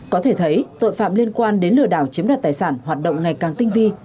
có thể thấy tội phạm liên quan đến lừa đảo chiếm đoạt tài sản hoạt động ngày càng tinh vi